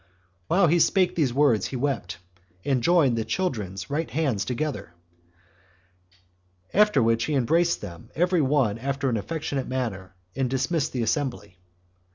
3. While he spake these words he wept, and joined the children's right hands together; after which he embraced them every one after an affectionate manner, and dismissed the assembly.